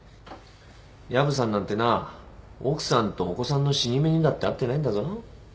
薮さんなんてな奥さんとお子さんの死に目にだって会ってないんだぞ。